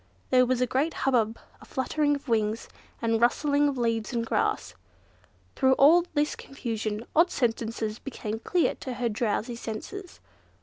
There was a great hubbub, a fluttering of wings, and rustling of leaves and grass. Through all this confusion, odd sentences became clear to her drowsy senses.